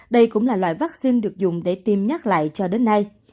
đây cũng là loại vaccine được dùng để tiêm nhắc lại cho đến nay